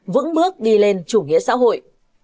vững bước đi lên chủ nghĩa xã hội